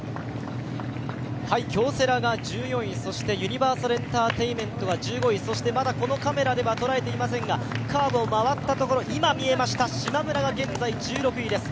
京セラが１４位、そしてユニバーサルエンターテインメントが１５位、そしてまだこのカメラでは捉えていませんが、カーブを回った所、今見えました、しまむらが現在１６位です。